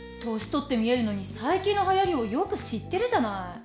年とって見えるのに最近のはやりをよく知ってるじゃない。